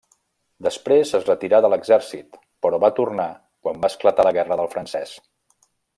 Després es retirà de l'exèrcit, però va tornar quan va esclatar la guerra del francès.